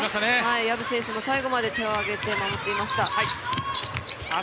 藪選手も最後まで手を上げて守っていました。